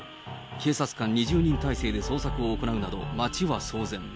警察官２０人態勢で捜索を行うなど、町は騒然。